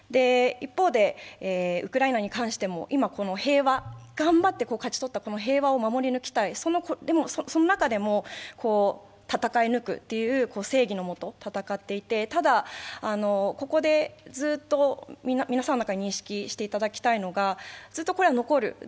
一方で、ウクライナに関しても今、この頑張って勝ち取った平和を守り抜きたい、その中でも戦い抜くという正義の下、戦っていてただ、ここで皆さんに認識していただきたいのはずっとこれは残る。